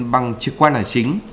bằng trực quan là chính